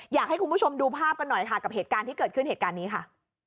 อยากให้คุณผู้ชมดูภาพกันหน่อยค่ะกับเหตุการณ์ที่เกิดขึ้นเหตุการณ์นี้ค่ะ